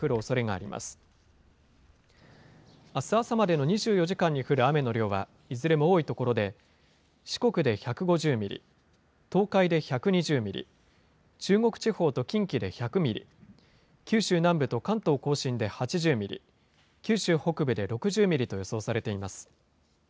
あす朝までの２４時間に降る雨の量はいずれも多い所で、四国で１５０ミリ、東海で１２０ミリ、中国地方と近畿で１００ミリ、九州南部と関東甲信で８０ミリ、九州北部で６０ミリと予想されています。